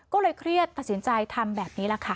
ก็เลยเครียดตัดสินใจทำแบบนี้แหละค่ะ